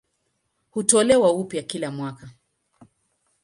Hutolewa upya kila mwaka.